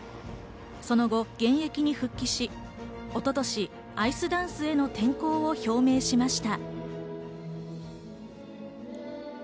その後、現役に復帰し、一昨年、アイスダンスへの転向を表明しました。